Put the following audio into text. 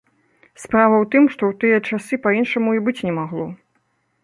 Справа ў тым, што ў тыя часы па-іншаму і быць не магло.